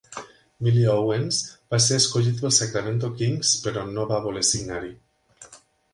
Billy Owens va ser escollit pels Sacramento Kings, però no va voler signar-hi.